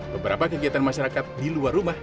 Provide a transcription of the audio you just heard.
beberapa kegiatan masyarakat di luar rumah